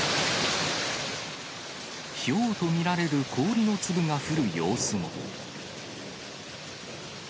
ひょうと見られる氷の粒が降る様子も。